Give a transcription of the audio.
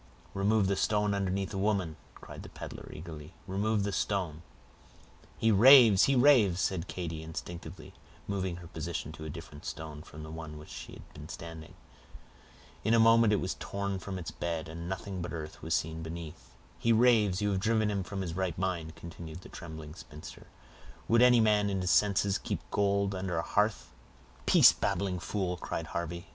"Remove the stone underneath the woman," cried the peddler, eagerly—"remove the stone." "He raves! he raves!" said Katy, instinctively moving her position to a different stone from the one on which she had been standing. In a moment it was torn from its bed, and nothing but earth was seen beneath. "He raves! You have driven him from his right mind," continued the trembling spinster. "Would any man in his senses keep gold under a hearth?" "Peace, babbling fool!" cried Harvey.